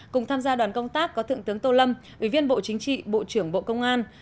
cùng tham gia đoàn công tác có thượng tướng tô lâm ủy viên bộ chính trị bộ trưởng bộ công an